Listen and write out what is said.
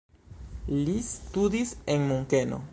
Li studis en Munkeno.